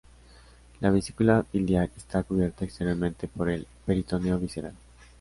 La vesícula biliar está cubierta exteriormente por el peritoneo visceral.